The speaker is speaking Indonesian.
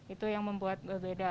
itu yang membuat berbeda